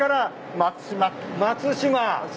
松島。